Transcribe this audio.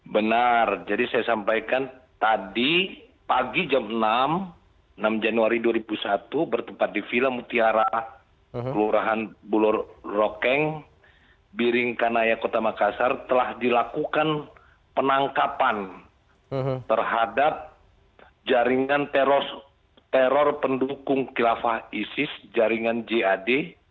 benar jadi saya sampaikan tadi pagi jam enam januari dua ribu satu bertempat di vila mutiara kelurahan bulur rokeng biringkanaya kota makassar telah dilakukan penangkapan terhadap jaringan teror pendukung kilafah isis jaringan jad